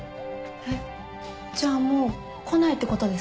えっじゃあもう来ないってことですか？